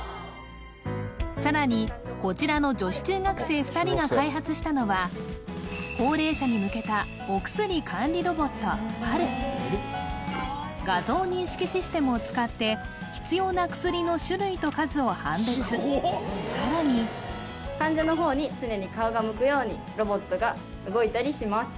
さらにこちらの女子中学生２人が開発したのは高齢者に向けたお薬管理ロボットＰａｌ画像認識システムを使って必要な薬の種類と数を判別さらに患者の方に常に顔が向くようにロボットが動いたりします